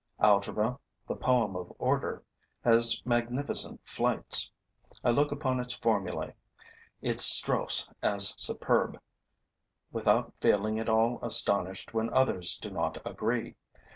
Algebra, the poem of order, has magnificent flights. I look upon its formulae, its strophes as superb, without feeling at all astonished when others do not agree.